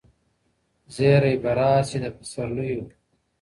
زېری به راسي د پسرلیو .